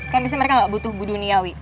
kan misalnya mereka gak butuh buduniawi